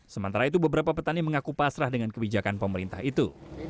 sementara itu beberapa petani mengaku pasrah dengan kebijakan pemerintah itu